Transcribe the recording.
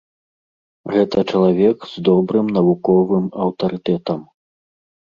Гэта чалавек з добрым навуковым аўтарытэтам.